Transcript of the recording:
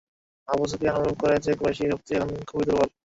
Abu Sufyan অনুভব করে যে, কুরাইশী শক্তি এখন খুবই দুর্বল।